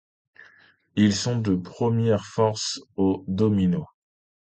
Ils sont de première force aux dominos.